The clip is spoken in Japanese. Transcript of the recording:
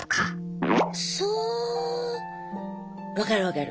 そう分かる分かる。